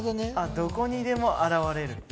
どこにでも現れる。